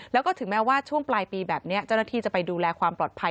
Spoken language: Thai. แล้วก็ถึงแม้ว่าช่วงปลายปีแบบนี้เจ้าหน้าที่จะไปดูแลความปลอดภัย